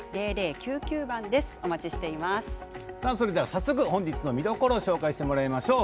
早速、本日の見どころをご紹介してもらいましょう。